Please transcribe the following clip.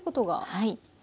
はい。